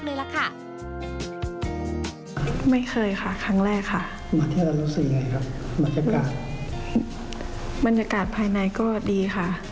มาเที่ยวกันบรรยากาศภายในก็ดีค่ะ